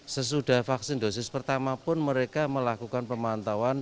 sesudah vaksin dosis pertama pun mereka melakukan pemantauan